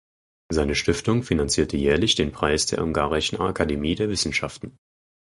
Seine Stiftung finanzierte jährlich den Preis der Ungarischen Akademie der Wissenschaften.